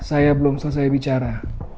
saya belum selesai bicara